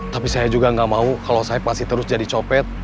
tapi saya juga nggak mau kalau saya masih terus jadi copet